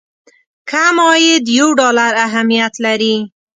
کم عاید یو ډالر اهميت لري.